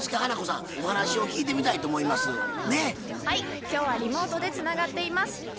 はい今日はリモートでつながっています。